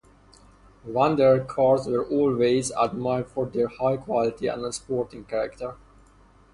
Wanderer cars were always admired for their high quality and sporting character.